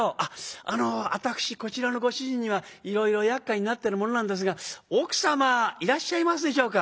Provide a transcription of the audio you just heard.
「あの私こちらのご主人にはいろいろやっかいになってる者なんですが奥様いらっしゃいますでしょうか？」。